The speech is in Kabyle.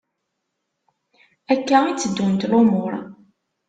Akka i tteddunt lumuṛ.